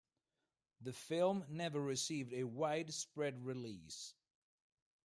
The film never received a widespread release.